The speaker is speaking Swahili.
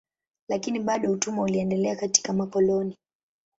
Lakini bado utumwa uliendelea katika makoloni.